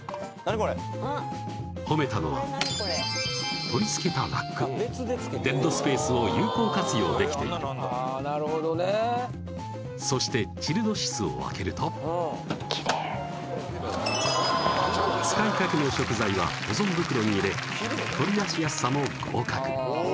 これ褒めたのは取り付けたラックデッドスペースを有効活用できているああーなるほどねそしてチルド室を開けると使いかけの食材は保存袋に入れ取り出しやすさも合格